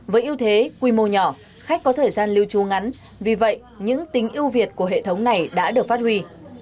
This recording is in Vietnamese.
với ưu thế quy mô nhỏ khách có thời gian lưu trú ngắn vì vậy những tính ưu việt của hệ thống này đã được phát huy